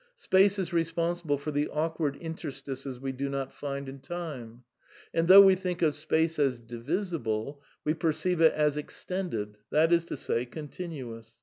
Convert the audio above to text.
Space is responsible for the awkward interstices we do not find in Time. And though we think of space as divisible, we perceive it as extended, that is to say, continuous.